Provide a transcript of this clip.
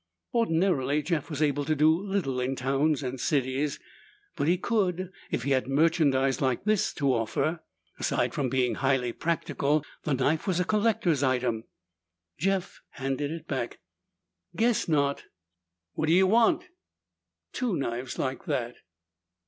Ordinarily Jeff was able to do little in towns and cities. But he could if he had merchandise like this to offer. Aside from being highly practical, the knife was a collector's item. Jeff handed it back. "Guess not." "What do ye want?" "Two knives like that."